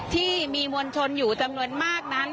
ที่มีมวลชนอยู่จำนวนมากนั้น